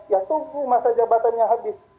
ya tunggu masa jabatannya habis